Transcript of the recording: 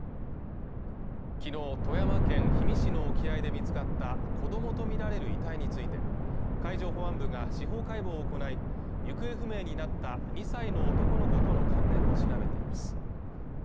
昨日富山県氷見市の沖合で見つかった子どもと見られる遺体について海上保安部が司法解剖を行い行方不明になった２歳の男の子との関連を調べています